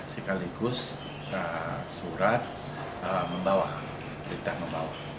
sekaligus surat membawa berita membawa